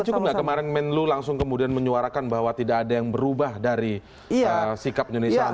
tapi cukup nggak kemarin men lu langsung kemudian menyuarakan bahwa tidak ada yang berubah dari sikap indonesia untuk mendukung kemerdekaan